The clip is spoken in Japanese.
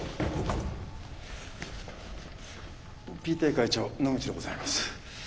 ＰＴＡ会長野口でございます。